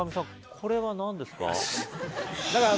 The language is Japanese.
これは何ですか？